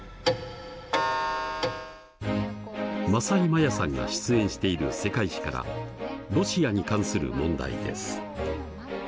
政井マヤさんが出演している「世界史」からロシアに関する問題です。